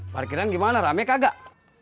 parkiran gimana rame kagak